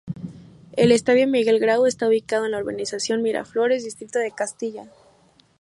El Estadio Miguel Grau, está ubicado en la Urbanización Miraflores, distrito de Castilla.